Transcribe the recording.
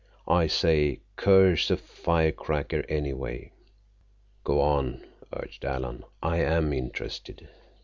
I say, curse a firecracker anyway!" "Go on," urged Alan. "I'm interested."